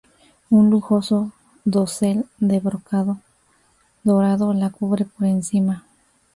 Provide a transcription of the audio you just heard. Un lujoso dosel de brocado dorado la cubre por encima.